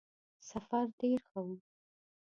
سفر ډېر ښه وو.